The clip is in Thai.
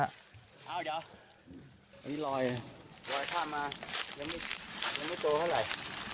อ้าวเดี๋ยวมีรอยรอยข้ามมายังไม่โตเท่าไหร่